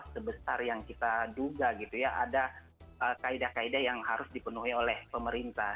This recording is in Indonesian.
sebesar yang kita duga gitu ya ada kaedah kaedah yang harus dipenuhi oleh pemerintah